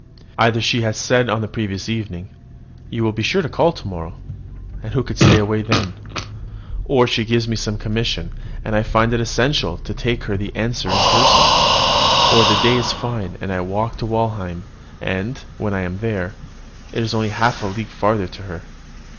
Either she has said on the previous evening "You will be sure to call to morrow," and who could stay away then? or she gives me some commission, and I find it essential to take her the answer in person; or the day is fine, and I walk to Walheim; and, when I am there, it is only half a league farther to her.